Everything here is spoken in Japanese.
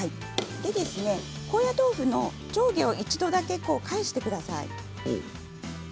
高野豆腐の上下を一度だけ返してください。